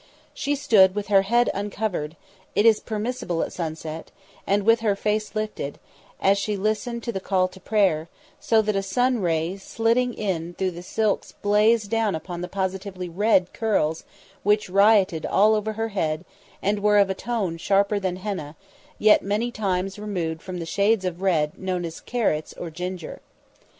She stood with her head uncovered it is permissible at sunset and with her face lifted, as she listened to the call to prayer, so that a sun ray silting in through the silks blazed down upon the positively red curls which rioted all over her head and were of a tone sharper than henna, yet many times removed from the shades of red known as carrots or ginger.